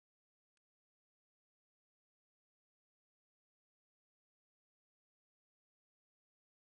Nshingabikorwa w’akagari yasabye komite ishinzwe gahunda ya Gira inka